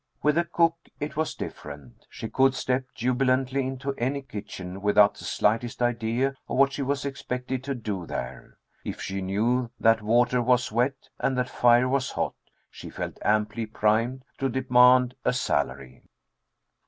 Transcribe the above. With the cook it was different. She could step jubilantly into any kitchen without the slightest idea of what she was expected to do there. If she knew that water was wet and that fire was hot, she felt amply primed to demand a salary.